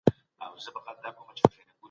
استازي په جرګه کي د رايې ورکولو حق لري.